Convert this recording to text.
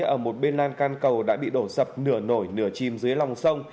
ở một bên lan can cầu đã bị đổ sập nửa nổi nửa chìm dưới lòng sông